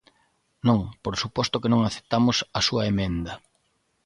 Non, por suposto que non aceptamos a súa emenda.